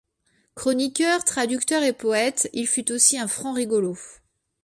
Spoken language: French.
Chroniqueur, traducteur et poète, il fut aussi un franc rigolo.